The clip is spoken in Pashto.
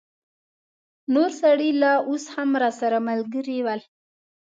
نور سړي لا اوس هم راسره ملګري ول.